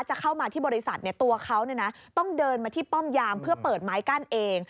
จะเข้ามาที่บริษัทตัวเขาต้องเดินมาที่ป้อมยามเพื่อเปิดไม้กั้นเอง